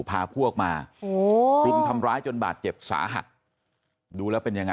พาพวกมาโอ้โหรุมทำร้ายจนบาดเจ็บสาหัสดูแล้วเป็นยังไง